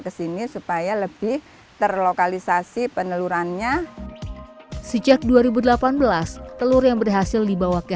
kesini supaya lebih terlokalisasi penelurannya sejak dua ribu delapan belas telur yang berhasil dibawa ke